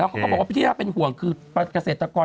แล้วเขาบอกว่าพี่ที่ถ้าเป็นห่วงคือเกษตรกร